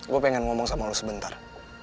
gue pengen ngomong sama lo sebentar